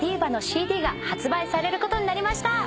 ＬＡＤＩＶＡのＣＤが発売されることになりました。